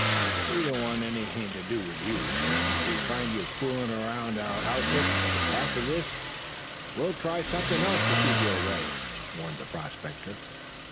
We don't want anything to do with you, and if we find you fooling about our outfit after this we'll try something else to keep you away," warned the prospector.